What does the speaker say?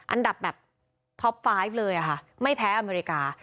อันดับแบบท็อปไฟล์ฟเลยค่ะไม่แพ้อเมริกา